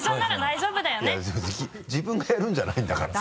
いやいや自分がやるんじゃないんだからさ。